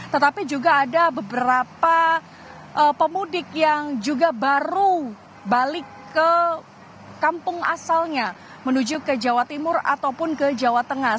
tetapi juga ada beberapa pemudik yang juga baru balik ke kampung asalnya menuju ke jawa timur ataupun ke jawa tengah